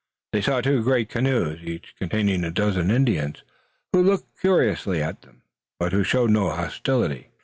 They saw two great canoes, each containing a dozen Indians, who looked curiously at them, but who showed no hostility.